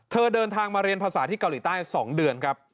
เดินทางมาเรียนภาษาที่เกาหลีใต้๒เดือนครับ